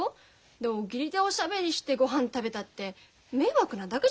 でお義理でおしゃべりしてごはん食べたって迷惑なだけじゃないの。